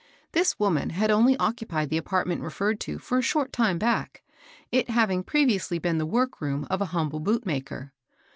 This woman had only occupied the apartment referred to for a short time back, it having previ ously been the workroom of an humble boot maker.